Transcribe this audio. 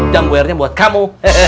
jambu airnya buat kamu